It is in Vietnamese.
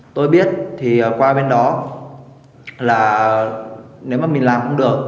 tôi biết thì qua bên đó là nếu mà mình làm không được